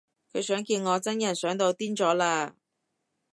佢想見我真人想到癲咗喇